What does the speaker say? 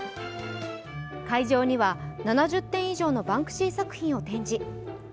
会場には７０点以上のバンクシー作品を展示。